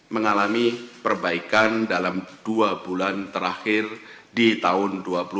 mengalami perbaikan dalam dua bulan terakhir di tahun dua ribu dua puluh